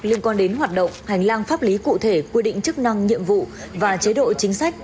liên quan đến hoạt động hành lang pháp lý cụ thể quy định chức năng nhiệm vụ và chế độ chính sách